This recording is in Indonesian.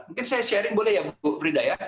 mungkin saya sharing boleh ya bu frida ya